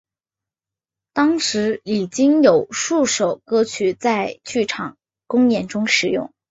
当时已经有数首歌曲在剧场公演中使用。